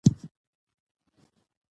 ځنګلونه د چاپېریال د توازن ساتنه کوي